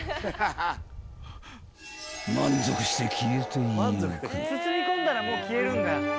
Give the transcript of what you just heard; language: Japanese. ［満足して消えていく］